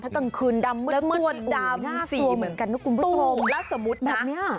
ถ้ากลางคืนดำมืดดาวน่ากลัวเหมือนกันนะคุณผู้ชมแล้วสมมุติแบบเนี้ย